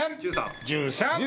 １３！